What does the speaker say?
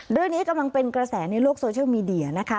เรื่องนี้กำลังเป็นกระแสในโลกโซเชียลมีเดียนะคะ